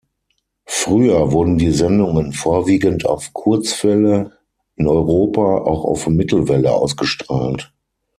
Früher wurden die Sendungen vorwiegend auf Kurzwelle, in Europa auch auf Mittelwelle ausgestrahlt.